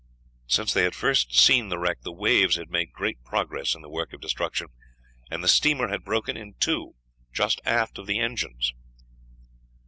Since they had first seen the wreck the waves had made great progress in the work of destruction, and the steamer had broken in two just aft of the engines.